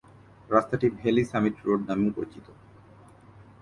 রাস্তাটি valley summit road নামেও পরিচিত।